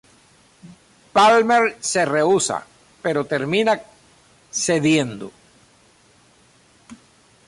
Palmer se rehúsa, pero termina cediendo.